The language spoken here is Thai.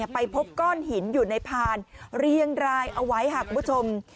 ไปพบก้อนหินอยู่ในพานเรียงรายเอาไว้ค่ะคุณผู้ชม